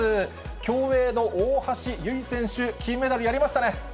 競泳の大橋悠依選手、金メダルやりましたね。